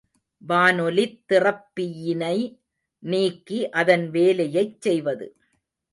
வானொலித் திறப்பியினை நீக்கி அதன் வேலையைச் செய்வது.